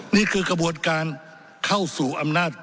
นี่คือกระบวนการเข้าสู่อำนาจ